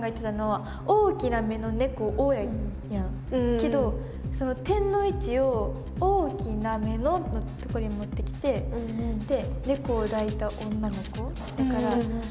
けどその点の位置を「大きな目の」のとこに持ってきてで「猫を抱いた女の子」だから。